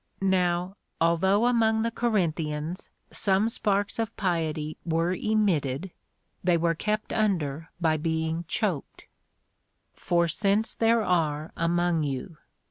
Now, although among the Corinthians some sparks of piety were emitted, they were kept under by being choked.^ For since there are among you.